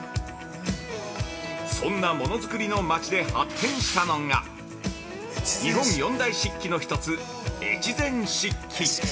そんなものづくりの町で発見したのが日本四大漆器の一つ、越前漆器。